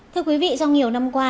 thưa quý vị trong nhiều năm qua